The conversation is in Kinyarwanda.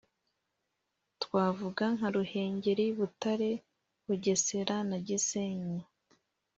twavuga nka ruhengeri, butare, bugesera, na gisenyi.